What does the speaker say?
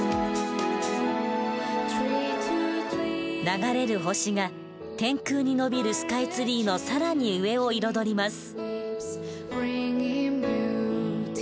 流れる星が天空に伸びるスカイツリーの更に上を彩ります。